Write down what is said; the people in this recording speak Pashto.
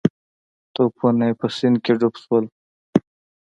توپونه یې په سیند کې ډوب شول.